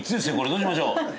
どうしましょう？